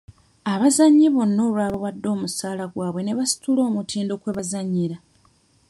Abazannyi bonna olwabawadde omusaala gwabe ne basitula omutindo kwe bazannyira.